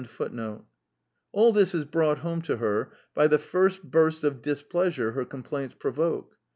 * All this is brought home to her by the first burst of displeasure her com plaints provoke.